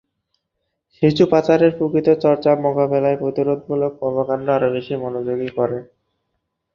শিশু পাচারের প্রকৃত চর্চা মোকাবেলায় প্রতিরোধমূলক কর্মকাণ্ড আরো বেশি মনোযোগী করে।